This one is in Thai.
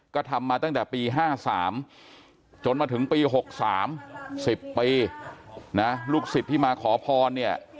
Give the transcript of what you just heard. ก็ทำมาตั้งแต่ปี๕๓จนมาถึงปี๖๓๑๐ปีนะลูกศิษย์ที่มาขอพรเนี่ย